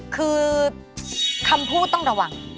คือคำพูดต้องระวัง